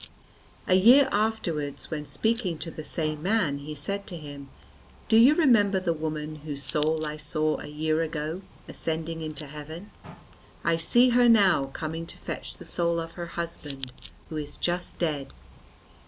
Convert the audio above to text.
A year afterwards when speaking to the same man, he said to him, "Do you remember the woman whose soul I saw a year ago ascending into heaven? I see her now coming to fetch the soul of her husband who is just dead.